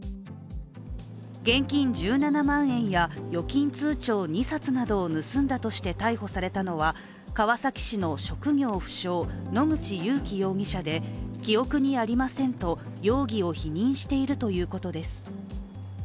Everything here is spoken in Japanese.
現金１７万円や預金通帳２冊などを盗んだとして逮捕されたのは川崎市の職業不詳、野口勇樹容疑者で記憶にありませんと容疑を否認しているということです。